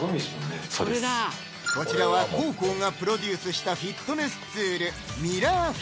こちらは黄皓がプロデュースしたフィットネスツール